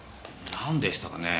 なんでしたかね。